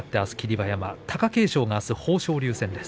馬山貴景勝はあす豊昇龍戦です。